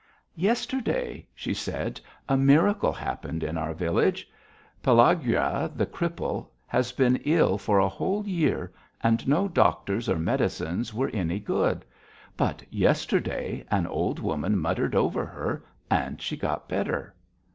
"Yesterday," she said, "a miracle happened in our village. Pelagueya, the cripple, has been ill for a whole year, and no doctors or medicines were any good, but yesterday an old woman muttered over her and she got better."